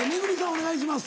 お願いします